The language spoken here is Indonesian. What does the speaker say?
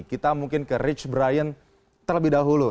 kita mungkin ke rich brian terlebih dahulu